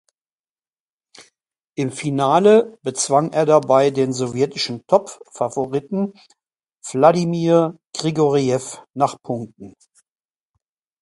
Im Finale bezwang er dabei den sowjetischen Top-Favoriten Wladimir Grigorjew nach Punkten.